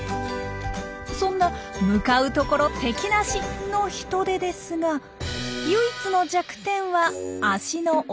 そんな向かうところ敵なし！のヒトデですが唯一の弱点は足の遅さ。